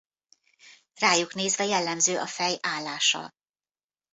Rájuk nézve jellemző a fej állása.